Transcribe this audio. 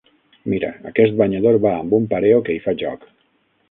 Mira, aquest banyador va amb un pareo que hi fa joc.